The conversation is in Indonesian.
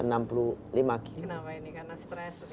kenapa ini karena stres